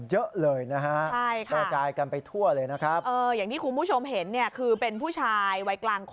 เอารถถอยเข้าบ้าน